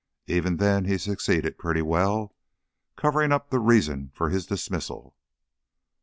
Even then he succeeded in pretty well covering up the reason for his dismissal."